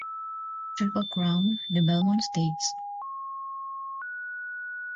Triple Crown, the Belmont Stakes.